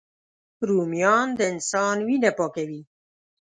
رومیان د انسان وینه پاکوي